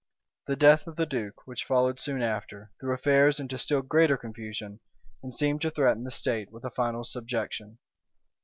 The death of the duke, which followed soon after, threw affairs into still greater confusion, and seemed to threaten the state with a final subjection.